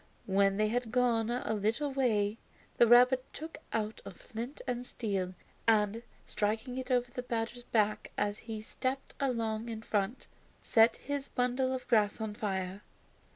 When they had gone a little way the rabbit took out a flint and steel, and, striking it over the badger's back as he stepped along in front, set his bundle of grass on fire.